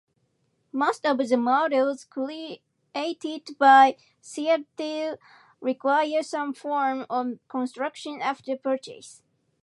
Most of the models created by Citadel require some form of construction after purchase.